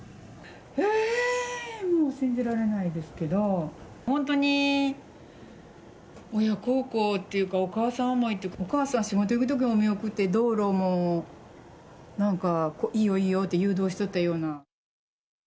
えー、もう信じられないですけど、本当に親孝行というか、お母さん思いというか、お母さん、仕事行くときも見送って、道路も、いいよいいよって誘導してたような。